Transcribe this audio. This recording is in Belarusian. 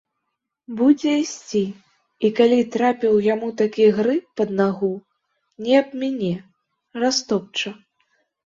Будзе ісці і, калі трапіў яму такі грыб пад нагу, не абміне, растопча.